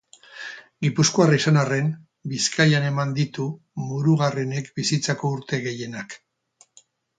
Gipuzkoarra izan arren, Bizkaian eman ditu Murugarrenek bizitzako urte gehienak.